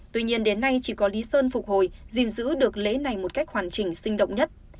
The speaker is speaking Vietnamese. tuy nhiên đến nay chỉ có lý sơn phục hồi gìn giữ được lễ này một cách hoàn chỉnh sinh động nhất